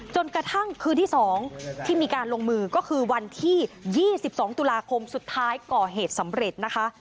จนกระทั่งคืนที่๒ที่มีการลงมือก็คือวันที่๒๒ตุลาคมสุดท้ายก่อเหตุสำเร็จนะคะ